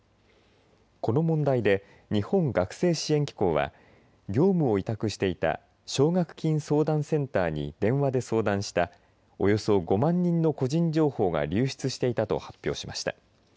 この問題で日本学生支援機構は業務を委託していた奨学金相談センターに電話で相談したおよそ５万人の個人情報が流出していたと発表しました。